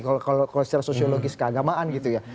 kalau secara sosiologis keagamaan gitu ya